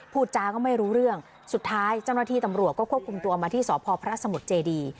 จาก็ไม่รู้เรื่องสุดท้ายเจ้าหน้าที่ตำรวจก็ควบคุมตัวมาที่สพพระสมุทรเจดี